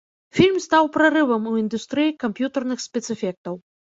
Фільм стаў прарывам у індустрыі камп'ютарных спецэфектаў.